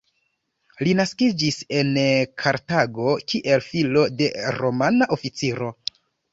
Li naskiĝis en Kartago, kiel filo de Romana oficiro.